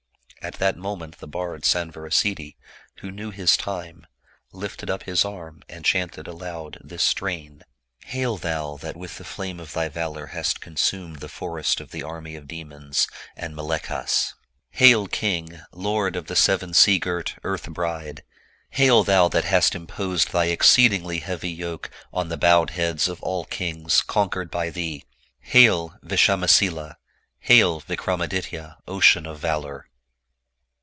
At that moment the bard Sanvarasiddhi, who knew his time, lifted up his arm, and chanted aloud this strain, " Hail thou that with the flame of thy valor hast consumed the forest of the army of demons and Mlechchhas ! Hail king, lord of the seven sea girt earth bride! Hail thou that hast imposed thy exceed ingly heavy yoke on the bowed heads of all kings, conquered by thee! Hail, Vishamasila, hail Vikramaditya, ocean of valor!"